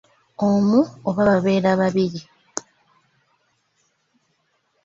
Omu oba babeera babiri.